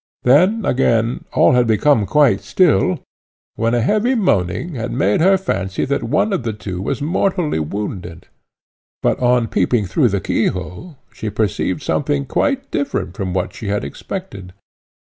Then again all had become quite still, when a heavy moaning had made her fancy that one of the two was mortally wounded; but on peeping through the keyhole she perceived something quite different from what she had expected.